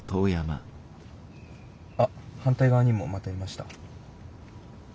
あっ反対側にもまたいました。